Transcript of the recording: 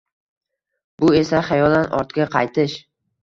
Bu esa xayolan ortga qaytish